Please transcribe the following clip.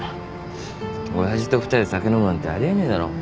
親父と２人で酒飲むなんてあり得ねえだろ。